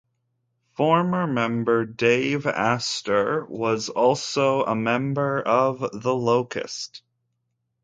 Former member Dave Astor was also a member of The Locust.